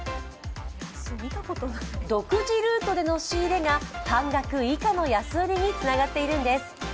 独自ルートでの仕入れが半額以下の安売りにつながっているんです。